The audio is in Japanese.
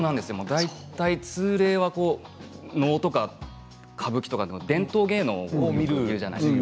大体、通例では能とか歌舞伎とか伝統芸能を見るじゃないですか